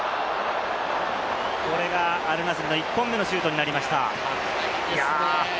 これがアルナスルの１本目のシュートになりました。